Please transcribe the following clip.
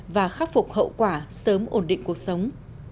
và khắc phục hậu quả sớm ổn định cuộc sống